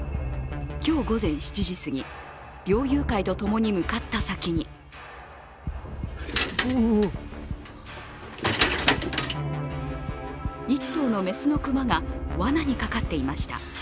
今日午前７時すぎ、猟友会と共に向かった先に１頭の雌の熊がわなにかかっていました。